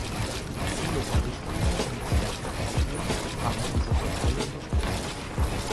Die Ziele der Richtlinie und der Verordnung haben unsere volle Unterstützung.